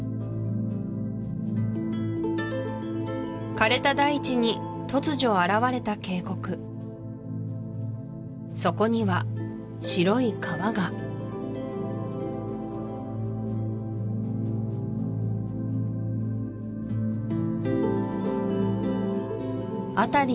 枯れた大地に突如現れた渓谷そこには白い川が辺り